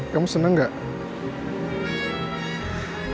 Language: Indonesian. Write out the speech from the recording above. kamu seneng gak